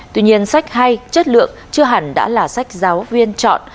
tuy nhiên sách hay chất lượng chưa hẳn đã là sách giáo viên chọn